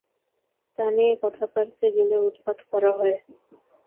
তা নিয়ে কথা পাড়তে গেলে উৎপাত করা হয়।